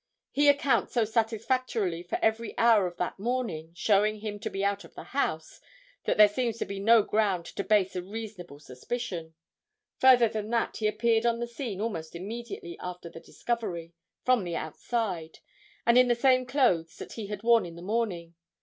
He accounts so satisfactorily for every hour of that morning, showing him to be out of the house, that there seems to be no ground to base a reasonable suspicion. Further than that, he appeared on the scene almost immediately after the discovery, from the outside, and in the same clothes that he had worn in the morning.